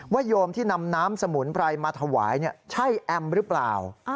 โยมที่นำน้ำสมุนไพรมาถวายใช่แอมหรือเปล่า